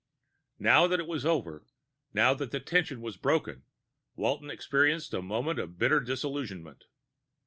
Now that it was over, now that the tension was broken, Walton experienced a moment of bitter disillusionment.